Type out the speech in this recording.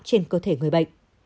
trên cơ thể người bệnh